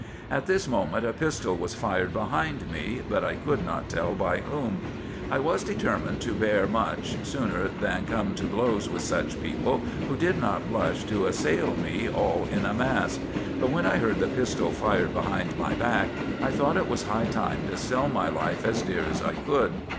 At this moment a pistol was fired behind me, but I could not tell by whom. I was determined to bear much, sooner than come to blows with such people, who did not blush to assail me all in a mass ; but when I heard the pistol fired behind my back, I thought it was high time to sell my life as dear as I could.